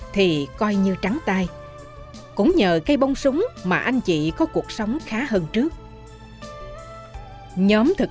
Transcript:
thì coi như trắng tai cũng nhờ cây bông súng mà anh chị có cuộc sống khá hơn trước nhóm thực